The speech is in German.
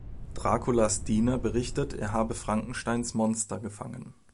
Draculas Diener berichtet, er habe Frankensteins Monster gefangen.